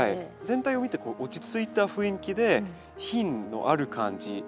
全体を見てこう落ち着いた雰囲気で品のある感じ